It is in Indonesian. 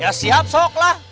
ya siap sok lah